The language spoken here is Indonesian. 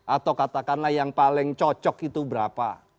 atau katakanlah yang paling cocok itu berapa